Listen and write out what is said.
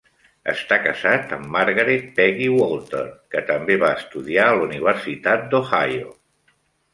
Està casat amb Margaret "Peggy" Walter, que també va estudiar a la Universitat d'Ohio.